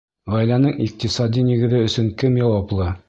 Ғаиләнең иҡтисади нигеҙе өсөн кем яуаплы?